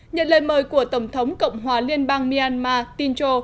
nhận lời mời của tổng thống cộng hòa liên bang myanmar tincho